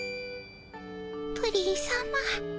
プリンさま。